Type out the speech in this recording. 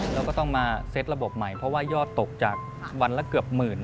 เราก็ต้องมาเซ็ตระบบใหม่เพราะว่ายอดตกจากวันละเกือบหมื่น